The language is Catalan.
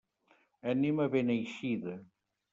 Anem a Beneixida.